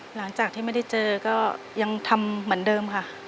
หลังจากที่ไม่ได้เจอก็ยังทำเหมือนเดิมค่ะ